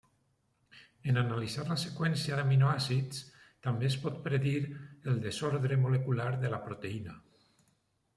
En analitzar la seqüència d'aminoàcids també es pot predir el desordre molecular de la proteïna.